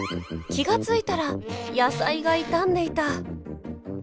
気が付いたら野菜が傷んでいた。